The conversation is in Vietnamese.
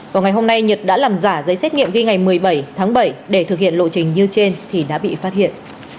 vào ngày hôm nay nhật đã làm giả giấy xét nghiệm ghi ngày một mươi bảy tháng bảy để thực hiện lộ trình như trên thì đã bị phát hiện